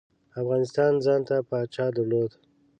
افغانستان ځانته پاچا درلود.